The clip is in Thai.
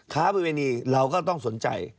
ค้าประเวณีเราก็ต้องสนใจ